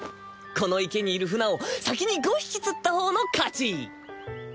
この池にいるふなを先に５匹釣った方の勝ち。